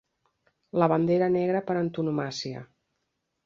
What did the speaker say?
La bandera negra per antonomàsia.